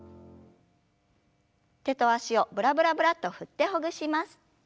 手と脚をブラブラブラッと振ってほぐします。